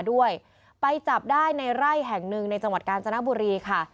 ด้วยไปจับได้ในไร่แห่งหนึ่งในจังหวัดกาญจนบุรีค่ะ